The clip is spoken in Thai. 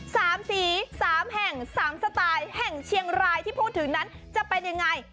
สามสีสามแห่งสามสไตล์แห่งเชียงรายที่พูดถึงนั้นจะเป็นยังไง